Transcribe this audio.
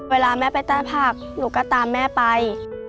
เวลาแม่ไปใต้ผักหนูก็ตามแม่ไป